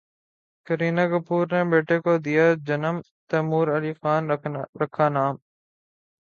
کرینہ کپور نے بیٹے کو دیا جنم، تیمور علی خان رکھا نام